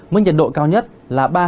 mức nhiệt độ cao nhất là ba mươi hai